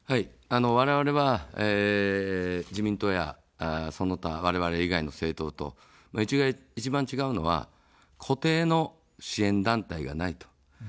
われわれは、自民党やその他われわれ以外の政党と一番違うのは固定の支援団体がないと。